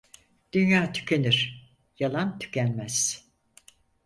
Dünya tükenir, yalan tükenmez.